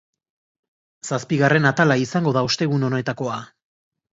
Zazpigarren atala izango da ostegun honetakoa.